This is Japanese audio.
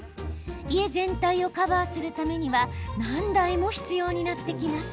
家全体をカバーするためには何台も必要になってきます。